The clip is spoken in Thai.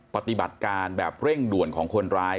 ปฏิบัติการแบบเร่งด่วนของคนร้าย